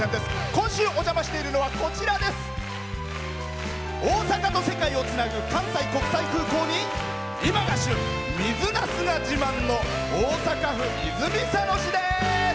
今週お邪魔しているのは大阪と世界をつなぐ関西国際空港に、今が旬水なすが自慢の大阪府泉佐野市です。